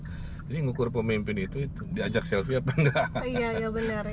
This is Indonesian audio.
jadi ngukur pemimpin itu diajak selfie apa enggak